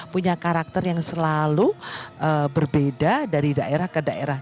punya karakter yang selalu berbeda dari daerah ke daerah